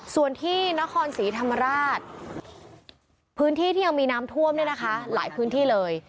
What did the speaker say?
ส่วนที่นครศรีธรรมราชพื้นที่ที่ยังมีน้ำท่วมเนี่ยนะคะหลายพื้นที่เลย